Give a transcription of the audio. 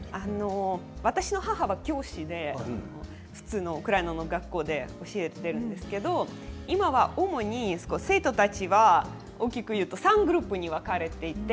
私の母は教師でウクライナの学校で教えているんですけれど今は主に生徒たちは大きくいうと３つのグループに分かれています。